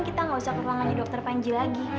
kita nggak usah ke ruangannya dokter panji lagi